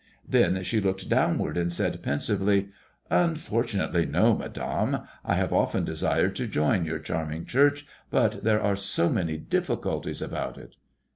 Then she looked downward and said, pensively :" Unfor tunately, no, Madame. I have often desired to join your charm ing Church ; but there are so many difficulties about it."